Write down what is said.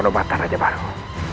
coba ke siapa saja